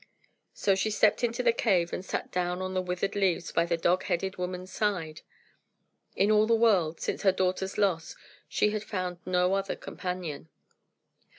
So she stepped into the cave, and sat down on the withered leaves by the dog headed woman's side. In all the world, since her daughter's loss, she had found no other companion.